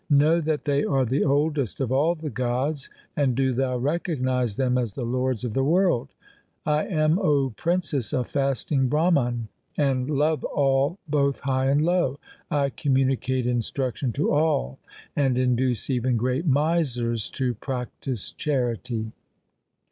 Know that they are the oldest of all the gods, and do thou recognize them as the lords of the world. I am, O princess, a fasting Brahman, and love all both high and low. I communicate instruction to all and induce even great misers to practise charity.